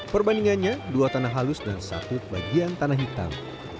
perbandingannya dua tanah halus dan satu bagian tanah hitam